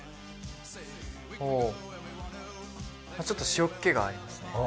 ちょっと塩っけがありますね。